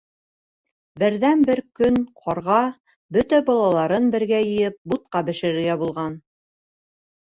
Берҙән-бер көн ҡарға, бөтә балаларын бергә йыйып, бутҡа бешерергә булған.